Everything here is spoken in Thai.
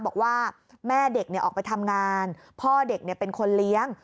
บอกว่าแม่เด็กออกไปทำงานพ่อเด็กเป็นคนเลี้ยง